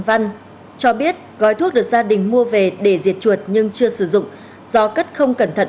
văn cho biết gói thuốc được gia đình mua về để diệt chuột nhưng chưa sử dụng do cất không cẩn thận